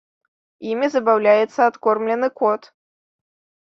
Імі забаўляецца адкормлены кот.